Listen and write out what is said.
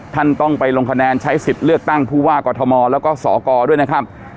ท่านต้องไปลงคะแนนใช้สิทธิ์เลือกตั้งผู้ว่ากอทมแล้วก็สกด้วยนะครับ